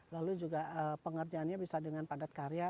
lalu juga pengerjaannya bisa dengan padat karya